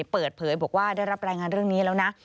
เปิดเผยบอกว่าได้รับรายงานเรื่องนี้แล้วนะ